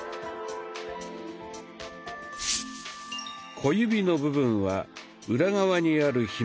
小指の部分は裏側にあるひもを動かします。